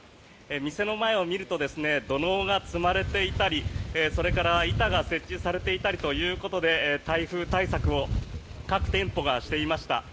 店の前を見ると土のうが積まれていたりそれから板が設置されていたりということで台風対策を各店舗がしていました。